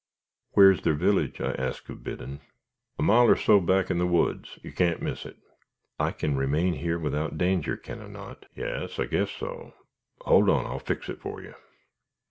"Where is their village?" I asked of Biddon. "A mile or so back in the woods; you can't miss it." "I can remain here without danger, can I not?" "Yas, I guess so hold on, I'll fix it for you."